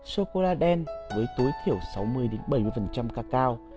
sôcôla đen với tối thiểu sáu mươi bảy mươi cacao